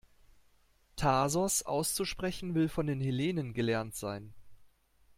Thasos auszusprechen will von den Hellenen gelernt sein.